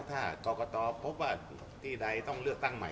ถ้ากรกตพบว่าที่ใดต้องเลือกตั้งใหม่